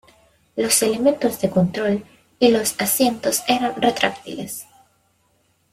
Los elementos de control y los asientos eran retráctiles.